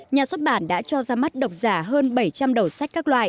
nhà xuất bản đã cho ra mắt độc giả hơn ba bài hát